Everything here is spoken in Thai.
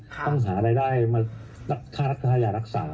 ต้องหารายได้มาค่ารักษา